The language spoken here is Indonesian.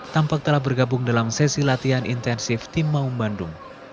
tampak telah bergabung dalam sesi latihan intensif tim maung bandung